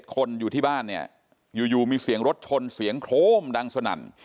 คนอยู่ที่บ้านเนี่ยอยู่มีเสียงรถชนเสียงโครมดังสนั่น